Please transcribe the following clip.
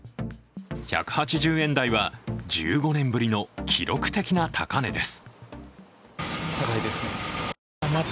１８０円台は１５年ぶりの記録的な高値です。